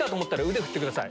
手振ってください！